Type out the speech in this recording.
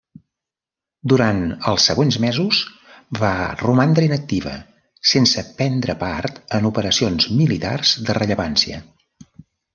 Durant els següents mesos va romandre inactiva, sense prendre part en operacions militars de rellevància.